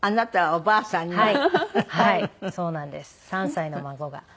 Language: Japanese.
３歳の孫が。